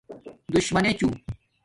دُشمنچُݸ